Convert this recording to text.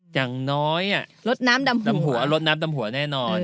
อย่างน้อยลดน้ำดำหัวแน่นอน